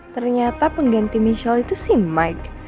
ternyata pengganti michelle itu si mike